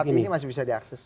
tapi ini masih bisa diakses